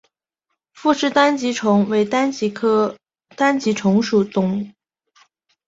傅氏单极虫为单极科单极虫属的动物。